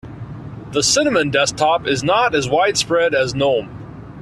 The cinnamon desktop is not as widespread as gnome.